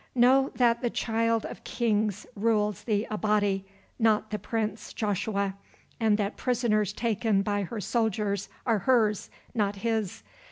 "Know that the Child of Kings rules the Abati, not the Prince Joshua, and that prisoners taken by her soldiers are hers, not his.